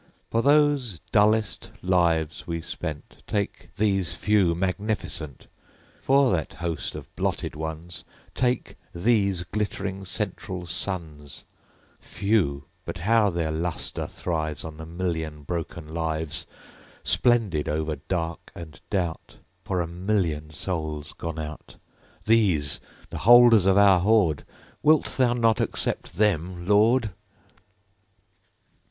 For those dullest lives we spent, Take these Few magnificent! For that host of blotted ones, Take these glittering central suns. Few; but how their lustre thrives On the million broken lives! Splendid, over dark and doubt, For a million souls gone out! These, the holders of our hoard, Wilt thou not accept them, Lord?